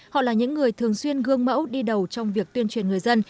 họ là những người thường xuyên gương mẫu đi đầu trong việc tuyên truyền người dân